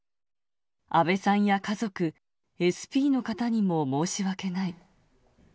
安倍さんや家族、ＳＰの方にも申し訳ない。